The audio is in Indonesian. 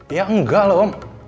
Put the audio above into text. ya enggak loh om